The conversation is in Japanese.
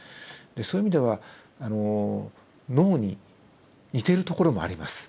そういう意味では脳に似ているところもあります。